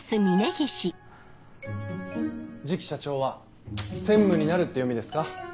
次期社長は専務になるって読みですか？